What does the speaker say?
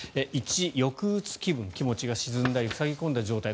１、抑うつ気分気持ちが沈んだり塞ぎ込んだ状態